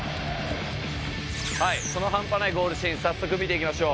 その半端ないゴールシーン早速見ていきましょう。